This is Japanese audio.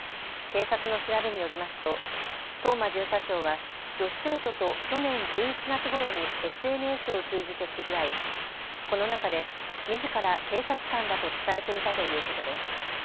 警察の調べによりますと藤間巡査長は女子生徒と去年１１月ごろにＳＮＳを通じて知り合い、この中でみずから警察官だと伝えていたということです。